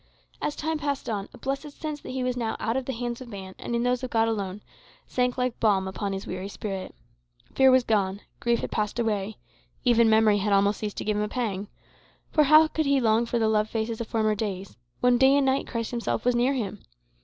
As time passed on, a blessed sense that he was now out of the hands of man, and in those of God alone, sank like balm upon his weary spirit. Fear was gone; grief had passed away; even memory had almost ceased to give him a pang. For how could he long for the loved faces of former days, when day and night Christ himself was near him?